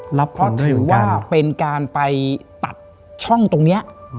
แล้วเพราะถือว่าเป็นการไปตัดช่องตรงนี้